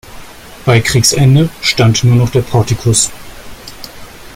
Bei Kriegsende stand nur noch der Portikus.